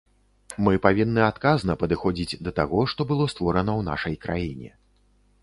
Мы павінны адказна падыходзіць да таго, што было створана ў нашай краіне.